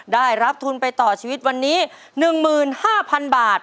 ได้รับทุนไปต่อชีวิตวันนี้๑หมื่น๕พันบาท